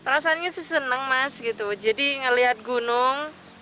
rasanya sih senang mas jadi melihat gunung